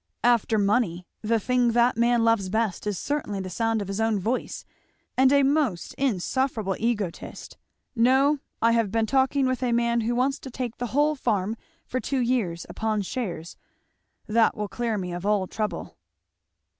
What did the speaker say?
After money, the thing that man loves best is certainly the sound of his own voice; and a most insufferable egotist! No, I have been talking with a man who wants to take the whole farm for two years upon shares that will clear me of all trouble."